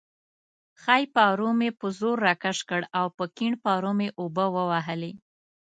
ښی پارو مې په زور راکش کړ او په کیڼ پارو مې اوبه ووهلې.